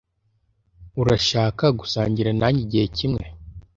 Urashaka gusangira nanjye igihe kimwe?